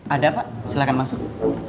ada pak silahkan masuk